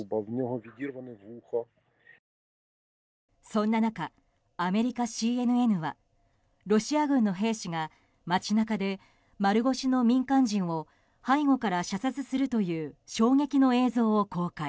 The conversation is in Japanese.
そんな中、アメリカＣＮＮはロシア軍の兵士が街中で丸腰の民間人を背後から射殺するという衝撃の映像を公開。